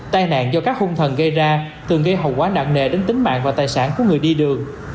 tai nạn do các hung thần gây ra thường gây hậu quả nặng nề đến tính mạng và tài sản của người đi đường